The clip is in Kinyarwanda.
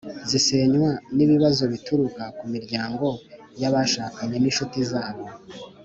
zisenywa n’ibibazo bituruka ku miryango y’abashakanye n’inshuti zabo.